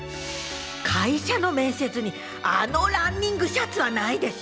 会社の面接にあのランニングシャツはないでしょう。